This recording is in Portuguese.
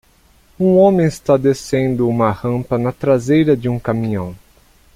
Um homem está descendo uma rampa na traseira de um caminhão.